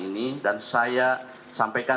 ini dan saya sampaikan